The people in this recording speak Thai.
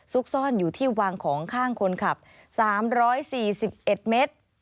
ซุกซ่อนอยู่ที่วางของข้างคนขับ๓๔๑เมตร